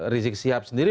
rizik siap sendiri